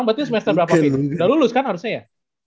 nah berarti lu semester berapa ini udah lulus kan harusnya ya